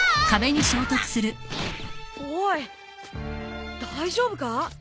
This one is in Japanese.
おい大丈夫か？